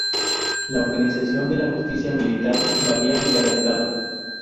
La organización de la justicia militar varía en cada Estado.